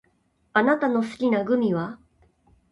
あなたの好きなグミは？